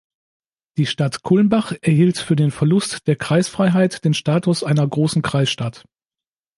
Die Stadt Kulmbach erhielt für den Verlust der Kreisfreiheit den Status einer Großen Kreisstadt.